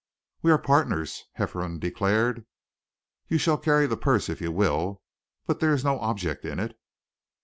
"We are partners," Hefferom declared. "You shall carry the purse if you will, but there is no object in it."